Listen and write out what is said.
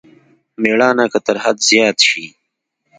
مېړانه که تر حد زيات شي.